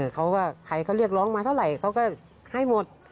เขาก็ใครเขาเรียกร้องมาเท่าไหร่เขาก็ให้หมด